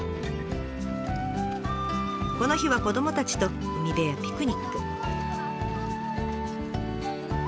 この日は子どもたちと海辺へピクニック。